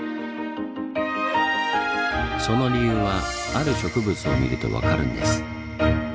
その理由はある植物を見ると分かるんです。